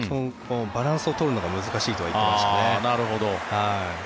バランスを取るのが難しいとは言ってましたね。